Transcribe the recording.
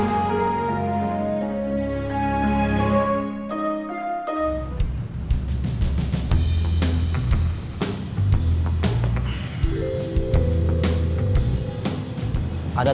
mohon ditangapi siang